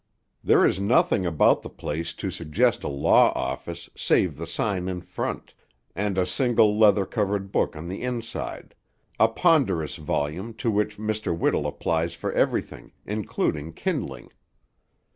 There is nothing about the place to suggest a law office save the sign in front, and a single leather covered book on the inside; a ponderous volume to which Mr. Whittle applies for everything, including kindling.